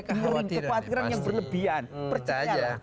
kekhawatiran yang berlebihan percayalah